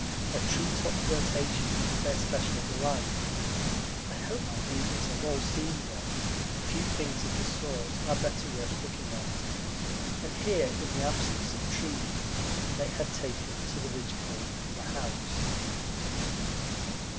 A treetop flirtation is their special delight (I hope my readers have all seen one; few things of the sort are better worth looking at), and here, in the absence of trees, they had taken to the ridgepole of a house.